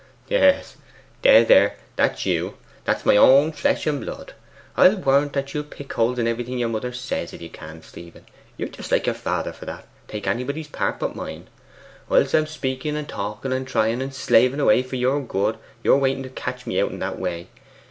'Yes, there, there! That's you; that's my own flesh and blood. I'll warrant that you'll pick holes in everything your mother says, if you can, Stephen. You are just like your father for that; take anybody's part but mine. Whilst I am speaking and talking and trying and slaving away for your good, you are waiting to catch me out in that way.